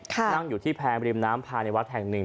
นั่งอยู่ที่แพงริมน้ำภายในวัดแห่งหนึ่ง